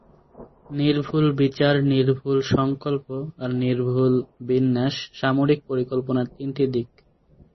নির্ভুল বিচার, নির্ভুল সংকল্প আর নির্ভুল বিন্যাস সামরিক পরিকল্পনার তিনটি দিক।